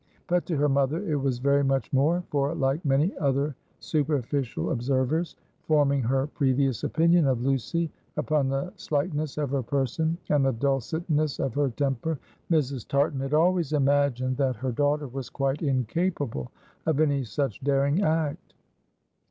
But to her mother it was very much more; for, like many other superficial observers, forming her previous opinion of Lucy upon the slightness of her person, and the dulcetness of her temper, Mrs. Tartan had always imagined that her daughter was quite incapable of any such daring act.